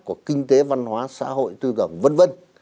của kinh tế văn hóa xã hội tư tưởng v v